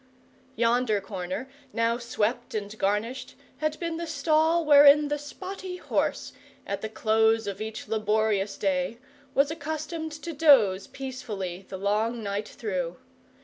Yonder corner, now swept and garnished, had been the stall wherein the spotty horse, at the close of each laborious day, was accustomed to doze peacefully the long night through.